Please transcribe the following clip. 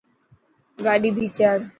گاڏي ڀيچاڙ.